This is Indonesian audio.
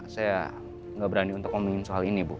saya nggak berani untuk ngomongin soal ini bu